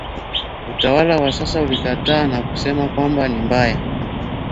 utawala wa sasa ulikataa na kusema kwamba ni mbaya